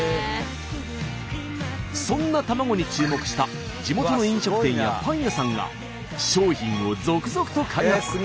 そんな卵に注目した地元の飲食店やパン屋さんが商品を続々と開発。